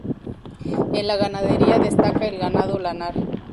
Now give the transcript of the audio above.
En la ganadería destaca el ganado lanar.